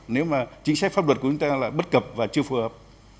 nếu mà chính sách pháp luật của chúng ta là bất cập và chưa phù hợp